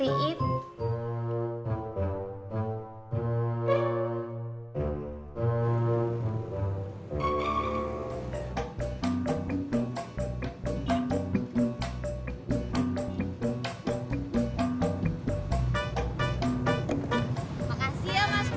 makasih ya mas pur